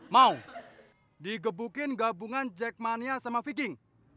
mau digebukin gabungan jack mania sama viking